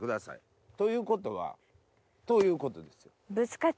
ということはということですよ。